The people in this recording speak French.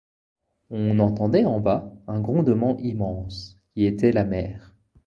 On entendait en bas un grondement immense, qui était la mer.